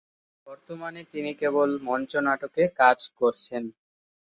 বর্তমানে তিনি কেবল মঞ্চ নাটকে কাজ করছেন।